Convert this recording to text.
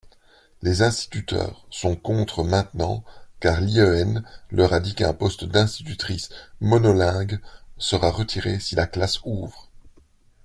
Les instituteurs sont contre maintenant car l’IEN leur a dit qu’un poste d’institutrice monolingue sera retiré si la classe ouvre.